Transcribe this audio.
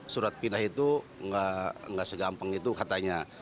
surat pindah itu nggak segampang itu katanya